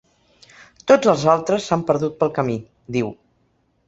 “Tots els altres s’han perdut pel camí”, diu.